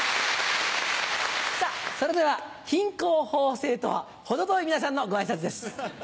さぁそれでは品行方正とは程遠い皆さんのご挨拶です。